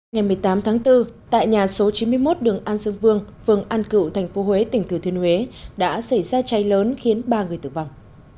ngày một mươi tám tháng bốn tại nhà số chín mươi một đường an dương vương vườn an cựu thành phố huế tỉnh thừa thuyên huế đã xảy ra cháy lớn khiến ba người tử vong